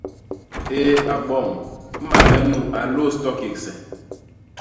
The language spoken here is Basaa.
Éé! abom, mañge nu a lôôs to kégse!